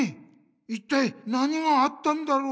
いったい何があったんだろう？